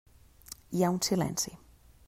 Hi ha un silenci.